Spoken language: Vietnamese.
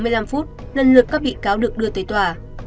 sáu giờ bốn mươi năm phút lần lượt các bị cáo được đưa tới tòa